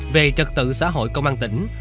về trật tự xã hội công an tỉnh